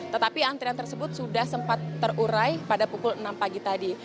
tetapi antrian tersebut sudah sempat terurai pada pukul enam pagi tadi